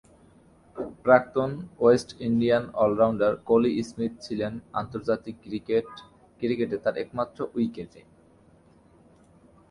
প্রাক্তন West Indian all-rounder Collie Smith ছিলেন আন্তর্জাতিক ক্রিকেটে তার একমাত্র উইকেট।